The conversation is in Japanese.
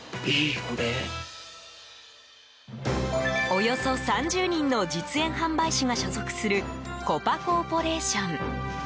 およそ３０人の実演販売士が所属するコパ・コーポレーション。